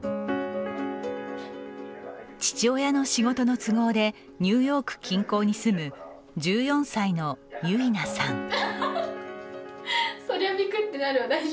父親の仕事の都合でニューヨーク近郊に住む１４歳のゆいなさん。